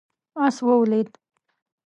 آس ولوېد.